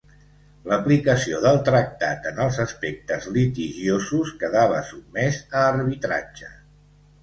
L'aplicació del tractat en els aspectes litigiosos quedava sotmès a arbitratge.